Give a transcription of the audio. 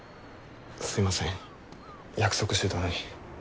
すいません約束してたのに。